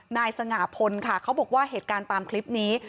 นายสง่าพลค่ะเขาบอกว่าเหตุการณ์ตามคลิปนี้